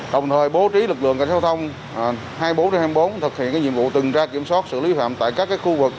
đồng thời bố trí lực lượng cảnh sát giao thông hai mươi bốn trên hai mươi bốn thực hiện nhiệm vụ từng ra kiểm soát xử lý phạm tại các khu vực